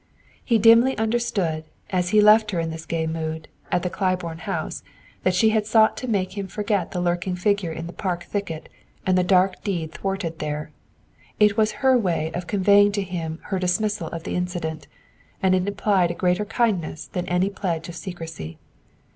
He dimly understood, as he left her in this gay mood, at the Claiborne house, that she had sought to make him forget the lurking figure in the park thicket and the dark deed thwarted there. It was her way of conveying to him her dismissal of the incident, and it implied a greater kindness than any pledge of secrecy.